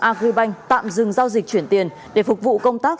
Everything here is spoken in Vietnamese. agribank tạm dừng giao dịch chuyển tiền để phục vụ công tác